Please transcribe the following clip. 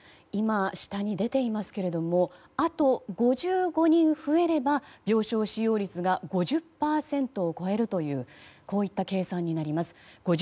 今、下に出ていますけれどもあと５５人増えれば病床使用率が５０％を超えるという計算になります。